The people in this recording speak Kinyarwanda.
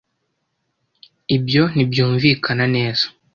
Ibyo ntibyumvikana neza.